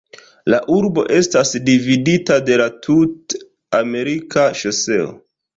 La urbo estas dividita de la Tut-Amerika Ŝoseo.